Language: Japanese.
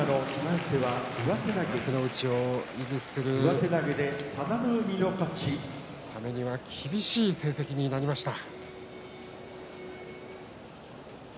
幕内を維持するためには厳しい成績になりました。